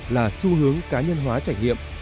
là xu hướng cá nhân hóa trải nghiệm